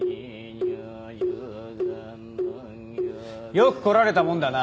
よく来られたもんだな。